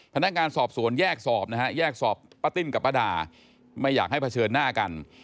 พนักงานสอบสวนแยกสอบนะฮะแยกสอบป้าติ้นกับป้าดาไม่อยากให้เผชิญหน้ากัน